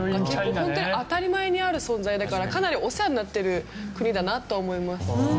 ホントに当たり前にある存在だからかなりお世話になってる国だなとは思います。